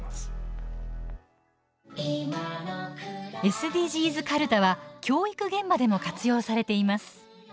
「ＳＤＧｓかるた」は教育現場でも活用されています。